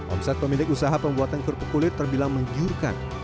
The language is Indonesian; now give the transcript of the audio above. omset pemilik usaha pembuatan kerupuk kulit terbilang menggiurkan